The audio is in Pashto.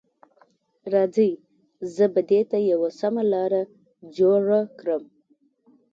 راځئ، زه به دې ته یوه سمه لاره جوړه کړم.